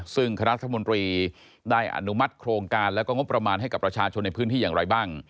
ซึ่งคณะรัฐมนตรีได้อนุมัติโครงการแล้วก็งบประมาณให้กับประชาชนในพื้นที่อย่างไรบ้าง